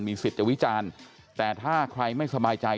สิทธิ์จะวิจารณ์แต่ถ้าใครไม่สบายใจ